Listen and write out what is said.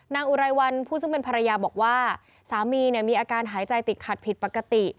อุไรวันผู้ซึ่งเป็นภรรยาบอกว่าสามีมีอาการหายใจติดขัดผิดปกติ